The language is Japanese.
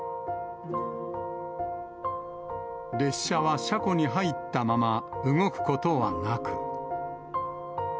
列車は車庫に入ったまま動くことはなく。